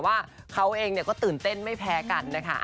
ว่าเขาเองก็ตื่นเต้นไม่แพ้กันนะคะ